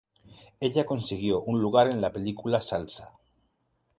Ella consiguió un lugar en la película "Salsa".